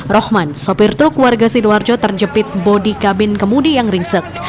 rohman sopir truk warga sidoarjo terjepit bodi kabin kemudi yang ringsek